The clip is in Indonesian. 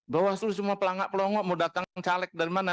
bawah seluruh itu cuma pelangak pelongok mau datang caleg dari mana